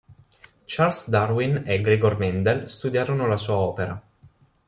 Charles Darwin e Gregor Mendel studiarono la sua opera.